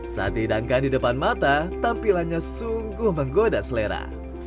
saat dihidangkan di depan mata tampilannya sungguh menggoda selera